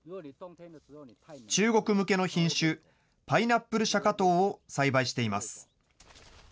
中国向けの品種、パイナップルシャカトウを栽培しています。